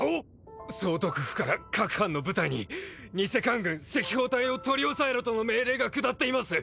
総督府から各藩の部隊に偽官軍赤報隊を取り押さえろとの命令が下っています。